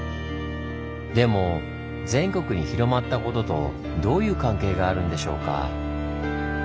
でも全国に広まったこととどういう関係があるんでしょうか？